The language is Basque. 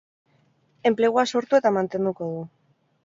Enplegua sortu eta mantenduko du.